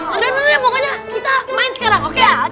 udah pokoknya kita main sekarang oke ya